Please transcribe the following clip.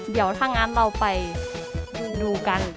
เดี๋ยวถ้างั้นเราไปดูกัน